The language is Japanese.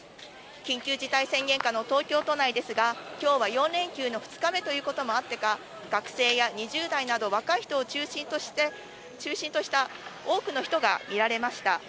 緊急事態宣言下の東京都内ですが、きょうは４連休の２日目ということもあってか、学生や２０代など、若い人を中心とした多くの人が見られました。